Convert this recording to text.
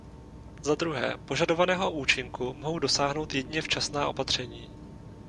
Za druhé, požadovaného účinku mohou dosáhnout jedině včasná opatření.